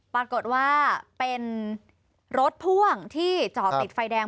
ปรากฏว่าเป็นรถพ่วงที่จอดติดไฟแดง